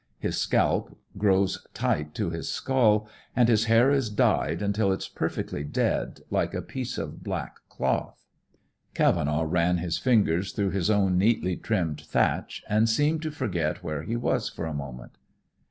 His scalp grows tight to his skull, and his hair is dyed until it's perfectly dead, like a piece of black cloth." Cavenaugh ran his fingers through his own neatly trimmed thatch, and seemed to forget where he was for a moment.